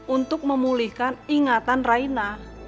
untuk memulihkan ingatan raina